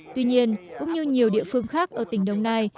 tuy nhiên cũng như nhiều địa phương khác ở tỉnh đồng nai